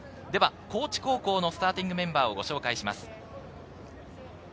高知高校のスターティングメンバーをご紹介します。